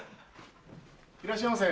いらっしゃいませ。